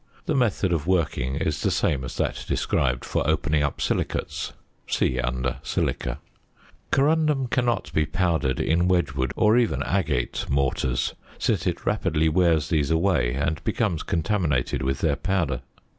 The method of working is the same as that described for opening up silicates. See under Silica. Corundum cannot be powdered in Wedgwood, or even agate, mortars; since it rapidly wears these away and becomes contaminated with their powder.